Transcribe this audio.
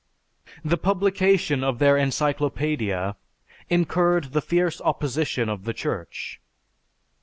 The publication of their Encyclopædia incurred the fierce opposition of the Church.